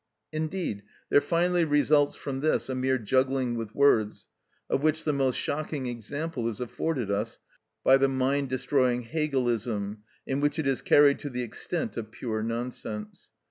Indeed there finally results from this a mere juggling with words, of which the most shocking example is afforded us by the mind destroying Hegelism, in which it is carried to the extent of pure nonsense.